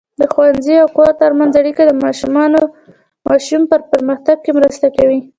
د ښوونځي او کور ترمنځ اړیکه د ماشوم په پرمختګ کې مرسته کوي.